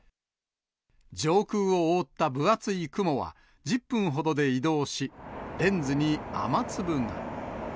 上空を覆った分厚い雲は、１０分ほどで移動し、レンズに雨粒が。